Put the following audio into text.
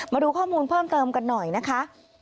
มาดูข้อมูลเพิ่มเติมกันหน่อยนะคะ